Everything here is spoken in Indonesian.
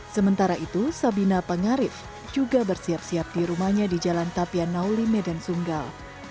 sementara itu sabina pengarif juga bersiap siap di rumahnya di jalan tapian nauli medan sunggal